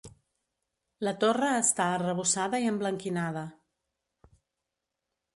La torre està arrebossada i emblanquinada.